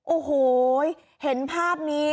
โอ้โหเห็นภาพนี้